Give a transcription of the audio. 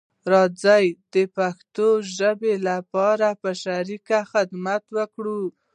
راځی د پښتو ژبې لپاره په شریکه خدمت وکړو